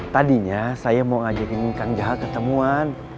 tadinya saya mau ngajakin kang jahat ketemuan